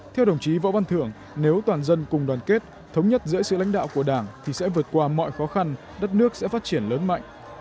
theo đồng chí võ văn thưởng nếu toàn dân cùng đoàn kết thống nhất giữa sự lãnh đạo của đảng thì sẽ vượt qua mọi khó khăn đất nước sẽ phát triển lớn mạnh